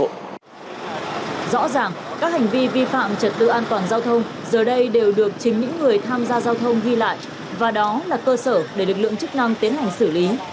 rõ ràng các hành vi vi phạm trật tự an toàn giao thông giờ đây đều được chính những người tham gia giao thông ghi lại và đó là cơ sở để lực lượng chức năng tiến hành xử lý